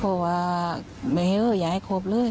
บอกว่าแม่อยากให้คบเลย